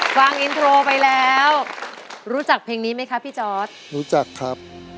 ฟังอินโทรไปแล้วรู้จักเพลงนี้ไหมคะพี่จอร์ดรู้จักครับ